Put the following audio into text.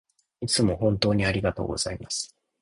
いつも本当にありがとうございます